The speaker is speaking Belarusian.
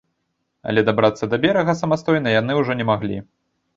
Але дабрацца да берага самастойна яны ўжо не маглі.